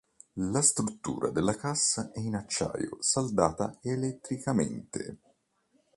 La struttura della cassa è in acciaio saldata elettricamente.